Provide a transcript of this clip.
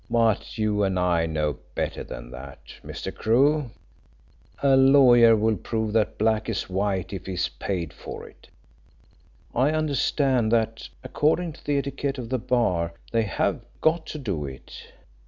But you and I know better than that, Mr. Crewe. A lawyer will prove that black is white if he is paid for it. In fact, I understand that, according to the etiquette of the bar, they have got to do it.